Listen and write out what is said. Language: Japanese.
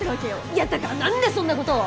いやだからなんでそんな事を！？